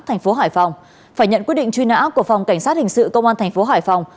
thành phố hải phòng phải nhận quyết định truy nã của phòng cảnh sát hình sự công an thành phố hải phòng